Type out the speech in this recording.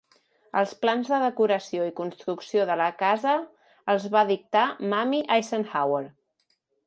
Els plans de decoració i construcció de la casa els va dictar Mamie Eisenhower.